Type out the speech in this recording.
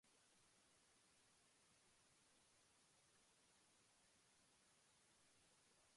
Conversion, blending, shortening, abbreviation, and other ways of word formation.